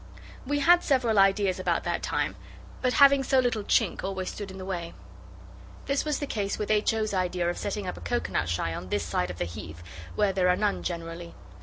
We had several ideas about that time, but having so little chink always stood in the way. This was the case with H. O.'s idea of setting up a coconut shy on this side of the Heath, where there are none generally.